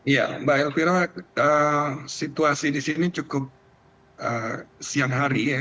ya mbak elvira situasi di sini cukup siang hari ya